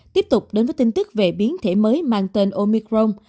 tiếp tục đến với tin tức về biến thể mới mang tên omicron